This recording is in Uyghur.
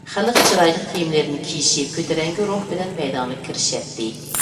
خەلق چىرايلىق كىيىملىرىنى كىيىشىپ كۆتۈرەڭگۈ روھ بىلەن مەيدانغا كىرىشەتتى.